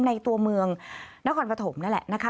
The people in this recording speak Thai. ในตัวเมืองนครปฐมนั่นแหละนะคะ